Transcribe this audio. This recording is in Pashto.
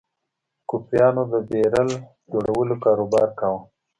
کوپریانو د بیرل جوړولو کاروبار کاوه.